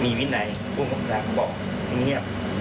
มีวินไหนพวกคุณแสงบอกไม่เงียบ